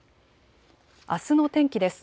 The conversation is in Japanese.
あすの天気です。